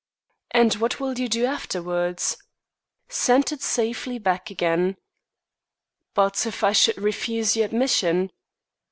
"And what will you do afterwards?" "Send it safely back again." "But if I should refuse you admission?"